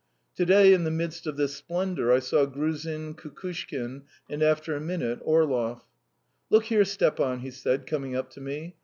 Today in the midst of this splendour I saw Gruzin, Kukushkin, and, after a minute, Orlov. "Look here, Stepan," he said, coming up to me.